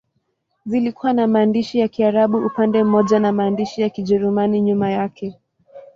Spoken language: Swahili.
Zilikuwa na maandishi ya Kiarabu upande mmoja na maandishi ya Kijerumani nyuma yake.